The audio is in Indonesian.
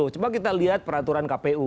coba kita lihat peraturan kpu